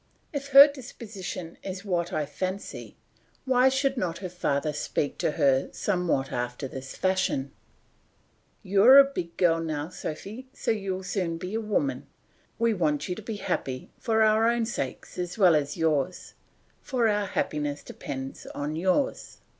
If her disposition is what I fancy why should not her father speak to her somewhat after this fashion? "You are a big girl now, Sophy, you will soon be a woman. We want you to be happy, for our own sakes as well as yours, for our happiness depends on yours.